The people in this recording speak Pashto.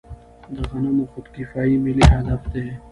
د غنمو خودکفايي ملي هدف دی.